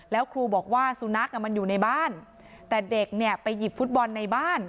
แล้วครูบอกว่าสุนัขมันอยู่ในบ้านแต่เด็กเนี่ยไปหยิบฟุตบอลในบ้าน